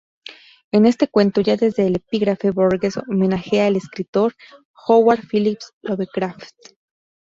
En este cuento, ya desde el epígrafe, Borges homenajea al escritor Howard Phillips Lovecraft.